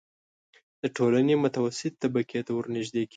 د ټولنې متوسطې طبقې ته ورنژدې کېږي.